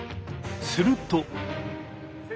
すると。